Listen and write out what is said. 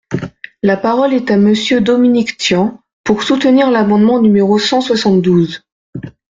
La parole est à Monsieur Dominique Tian, pour soutenir l’amendement numéro cent soixante-douze.